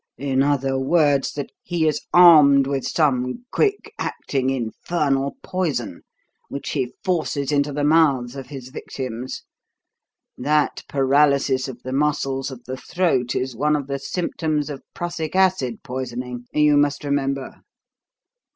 In other words, that he is armed with some quick acting infernal poison, which he forces into the mouths of his victims. That paralysis of the muscles of the throat is one of the symptoms of prussic acid poisoning, you must remember."